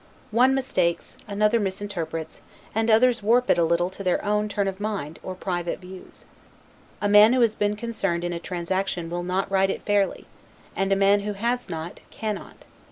One mistakes, another misrepresents, and others warp it a little to their own, turn of mind, or private views. A man who has been concerned in a transaction will not write it fairly; and a man who has not, cannot.